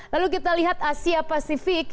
lalu kita lihat asia pasifik